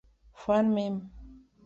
Fan Mem.